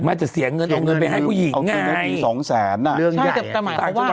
ไม่แต่เสียเงินออกเงินไปให้ผู้หญิงง่ายเอาเงินไปสี่สองแสนน่ะเรื่องใหญ่ใช่แต่แต่หมายถึงว่า